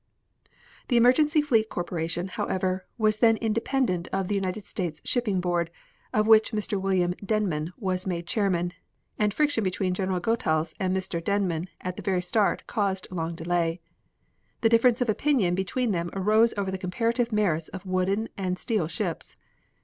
The Emergency Fleet Corporation, however, was then independent of the United States Shipping Board, of which Mr. William Denman was made chairman, and friction between General Goethals and Mr. Denman at the very start caused long delay. The difference of opinion between them arose over the comparative merits of wooden and steel ships.